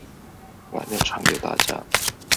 晚点传给大家